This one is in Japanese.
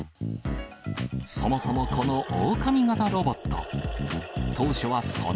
そもそもこのオオカミ型ロボット。